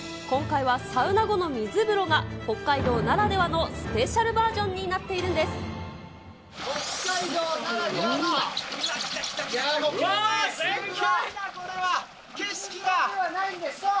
今回はサウナ後の水風呂が、北海道ならではのスペシャルバージョンになっているんです。